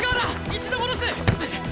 一度戻す！